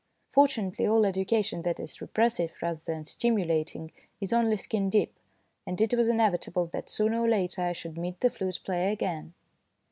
Fortu nately, all education that is repressive rather than stimulating is only skin deep, and it was inevitable that sooner or later I should 192 THE FLUTE PLAYER meet the flute player again.